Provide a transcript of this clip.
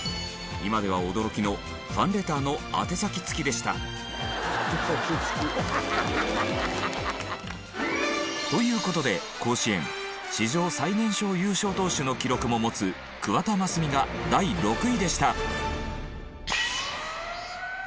今では驚きのファンレターの宛先付きでした。という事で甲子園史上最年少優勝投手の記録も持つ桑田真澄が第６位でした。